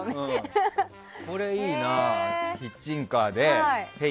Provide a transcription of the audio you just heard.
これいいな、キッチンカーでＨＥＹ！